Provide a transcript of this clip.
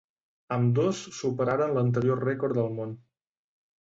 Ambdós superaren l'anterior rècord del món.